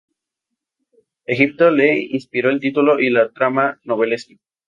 Egipto le inspiró el título y la trama novelesca.